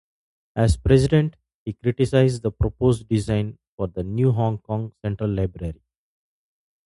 As president, he criticised the proposed design for the new Hong Kong Central Library.